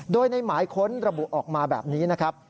โดยในหมายค้นระบุออกมาแบบนี้นะครับ